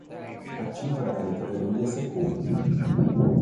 A tinta da caneta vermelha secou.